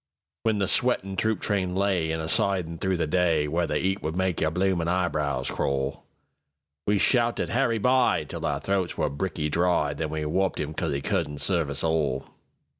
When the sweatin' troop train layIn a sidin' through the day, Where the 'eat would make your bloomin' eyebrows crawl, We shouted "Harry By!"Till our throats were bricky dry, Then we wopped 'im 'cause 'e couldn't serve us all.